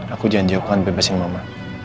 aku janji aku akan bebasin mama